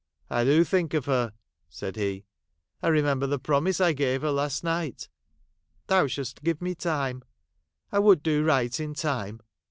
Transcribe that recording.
' I do think of her,' said he. ' I remember the promise I gave her last night. Thou shouldst give me time. I would do right in time.